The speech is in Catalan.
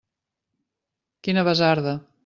Quina basarda!